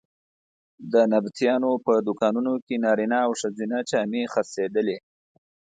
د نبطیانو په دوکانونو کې نارینه او ښځینه جامې خرڅېدلې.